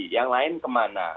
yang lain kemana